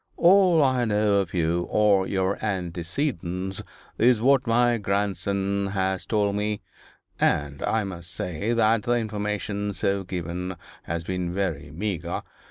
'All I know of you or your antecedents is what my grandson has told me and I must say that the information so given has been very meagre.